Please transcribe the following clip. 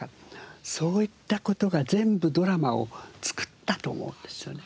そういった事が全部ドラマを作ったと思うんですよね。